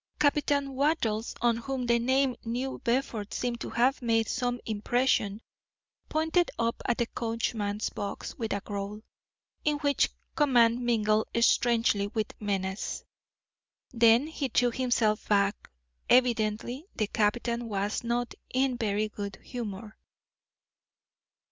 Captain Wattles, on whom the name New Bedford seemed to have made some impression, pointed up at the coachman's box with a growl, in which command mingled strangely with menace. Then he threw himself back. Evidently the captain was not in very good humour.